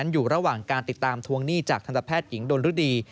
อยู่ระหว่างการติดตามทวงหนี้จากทันตแพทย์หญิงดนฤดี